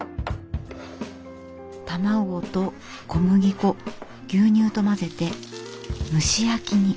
卵と小麦粉牛乳と混ぜて蒸し焼きに。